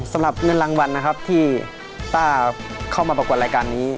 สำหรับเงินรางวัลนะครับที่ต้าเข้ามาประกวดรายการนี้